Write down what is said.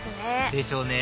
でしょうね